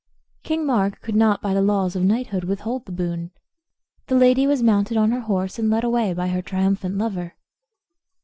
King Mark could not by the laws of knighthood withhold the boon. The lady was mounted on her horse, and led away by her triumphant lover.